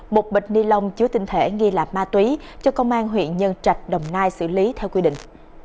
một bịch ni lông chứa tinh thể nghi là ma túy cho công an huyện nhân trạch đồng nai xử lý theo quy định